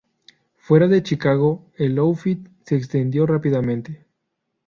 Fuera de Chicago, el Outfit se extendió rápidamente.